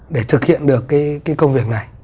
để thực hiện được cái công việc này